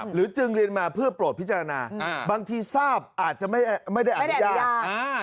หรือจึงเรียนมาเพื่อโปรดพิจารณาบางทีทราบอาจจะไม่ได้อนุญาต